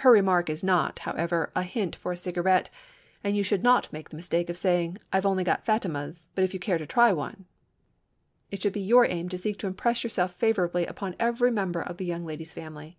Her remark is not, however, a hint for a cigaret and you should not make the mistake of saying, "I've only got Fatimas, but if you care to try one—" It should be your aim to seek to impress yourself favorably upon every member of the young lady's family.